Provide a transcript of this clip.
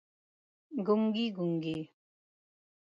ګونګي، ګونګي